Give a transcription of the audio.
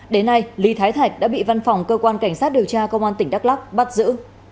đến nay ly thái thạch đã bị văn phòng cơ quan cảnh sát điều tra công an tỉnh đắk lắc bắt giữ